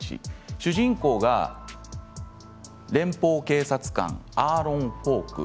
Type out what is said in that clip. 主人公が連邦警察官、アーロン・フォーク。